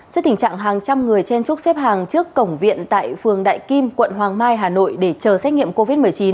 trước tình trạng hàng trăm người chen trúc xếp hàng trước cổng viện tại phường đại kim quận hoàng mai hà nội để chờ xét nghiệm covid một mươi chín